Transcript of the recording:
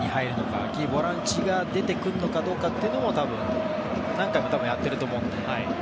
そこでボランチが出てくるのかどうかも多分、何回もやっていると思うので。